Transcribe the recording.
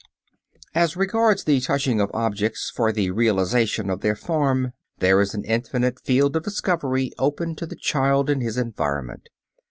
As regards the touching of objects for the realization of their form, there is an infinite field of discovery open to the child in his environment.